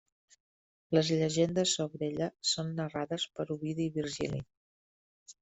Les llegendes sobre ella són narrades per Ovidi i Virgili.